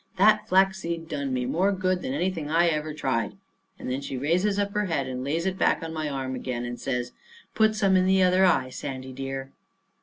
That flaxseed done me more good than anything I ever tried." And then she raises up her head and lays it back on my arm again, and says: "Put some in the other eye, Sandy dear."